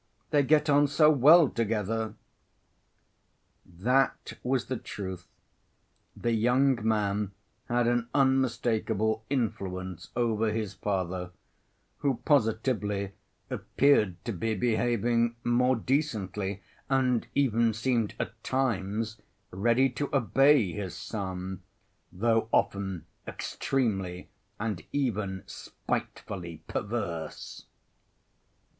They get on so well together!" That was the truth; the young man had an unmistakable influence over his father, who positively appeared to be behaving more decently and even seemed at times ready to obey his son, though often extremely and even spitefully perverse.